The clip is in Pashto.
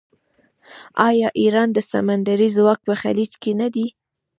آیا د ایران سمندري ځواک په خلیج کې نه دی؟